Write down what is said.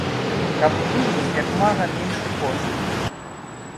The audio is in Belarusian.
Каб выбіць як мага меншы кошт.